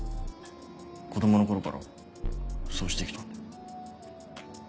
子供の頃からそうしてきたんで。